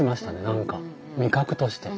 何か味覚として。